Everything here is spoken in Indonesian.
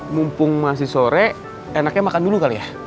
mumpung masih sore enaknya makan dulu kali ya